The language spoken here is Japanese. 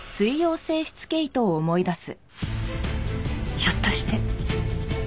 ひょっとして。